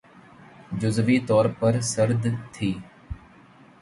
جزوی طور پر سرد تھِی